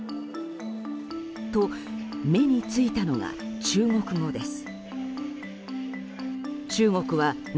と、目についたのが中国語です。